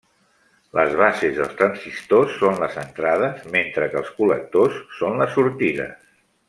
Les bases dels transistors són les entrades, mentre que els col·lectors són les sortides.